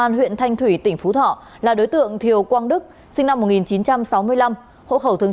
công an huyện thanh thủy tỉnh phú thọ là đối tượng thiều quang đức sinh năm một nghìn chín trăm sáu mươi năm hộ khẩu thường